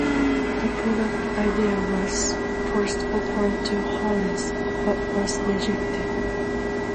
The product idea was first offered to Hanes, but was rejected.